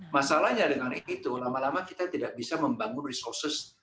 masalahnya dengan itu lama lama kita tidak bisa membangun resources